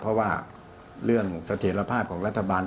เพราะว่าเรื่องเสถียรภาพของรัฐบาล